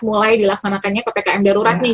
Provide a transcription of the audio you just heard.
mulai dilaksanakannya ppkm darurat nih